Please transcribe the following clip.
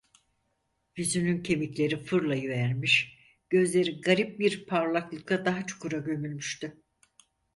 Yüzünün kemikleri fırlayıvermiş, gözleri garip bir parlaklıkla daha çukura gömülmüştü.